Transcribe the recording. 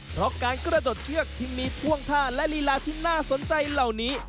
เพราะการกระโดดเชือกที่มีท่วงท่าและลีลาที่น่าสนใจเหล่านี้